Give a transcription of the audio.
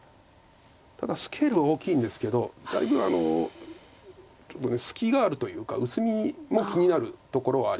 ただスケールは大きいんですけどだいぶちょっと隙があるというか薄みも気になるところはあります。